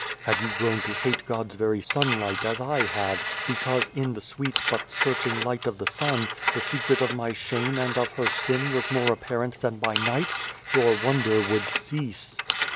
Had you grown to hate God's very sunlight, as I have, because, in the sweet but searching light of the sun, the secret of my shame and of her sin was more apparent than by night your wonder would cease.